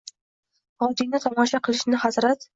Vodiyni tomosha qilishni hazrat